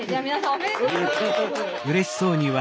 おめでとうございます。